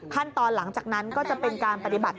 ขั้นตอนหลังจากนั้นก็จะเป็นการปฏิบัติ